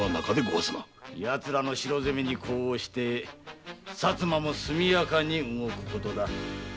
奴らの城攻めに呼応して薩摩も速やかに動く事だ。